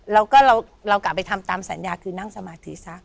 แล้วก็เรากลับไปทำตามสัญญาคือนั่งสมาธิซะ